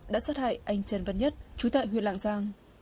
đã sát hại anh trần văn nhất chú tại huyện lạng giang